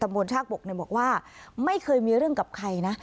ตำบลชาบุกเนี่ยบอกว่าไม่เคยมีเรื่องกับใครน่ะ